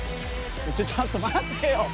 ちょっと待ってよ！